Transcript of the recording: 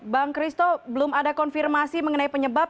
bang christo belum ada konfirmasi mengenai penyebab